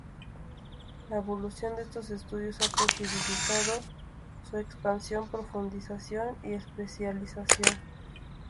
La evolución de estos estudios ha posibilitado su expansión, profundización y especialización.